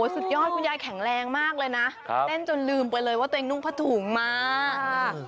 สุดยอดคุณยายแข็งแรงมากเลยนะเต้นจนลืมไปเลยว่าตัวเองนุ่งผ้าถุงมา